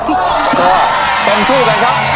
ต้องสู้ไปค่ะ